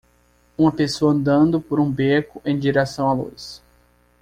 Uma pessoa andando por um beco em direção à luz.